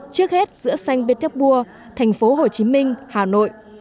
trước hết giữa xanh bết đắp bùa thành phố hồ chí minh hà nội